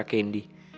aku juga gak yakin